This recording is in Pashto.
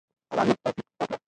الله نور توفیق ورکړه.